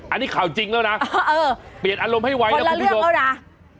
อันนี้ข่าวจริงแล้วนะเออเปลี่ยนอารมณ์ให้ไว้แล้วคุณผู้ชมคนละเรื่องแล้วนะ